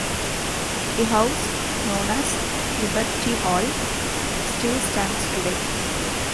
The house, known as "Liberty Hall", still stands today.